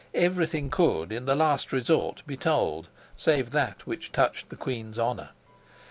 Everything could, in the last resort, be told, save that which touched the queen's honor.